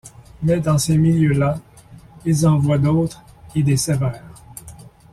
Mais dans ces milieux-là, ils en voient d’autres, et des sévères.